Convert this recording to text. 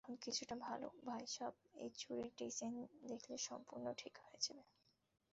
এখন কিছুটা ভালো, ভাইসাব এই চুড়ির ডিজাইন দেখলে সম্পুর্ন ঠিক হয়ে যাবে।